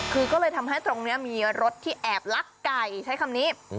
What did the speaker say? คือก็เลยทำให้ตรงนี้มีรถที่แอบลักไก่ใช้คำนี้